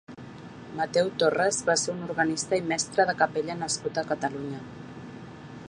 Mateu Torres va ser un organista i mestre de capella nascut a Catalunya.